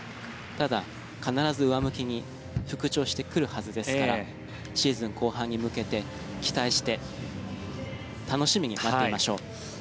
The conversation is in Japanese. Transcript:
ただ、必ず上向きに復調してくるはずですからシーズン後半に向けて期待して楽しみに待っていましょう。